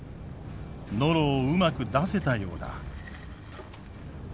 ノロをうまく出せたようだ。